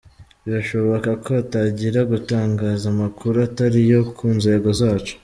Birashoboka ko atangira gutangaza amakuru atari yo ku nzego zacu".